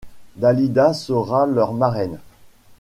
Dalida sera leur marraine.